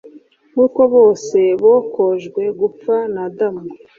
nk uko bose bokojwe gupfa na adamu